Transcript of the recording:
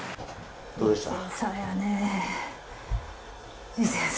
どうでした？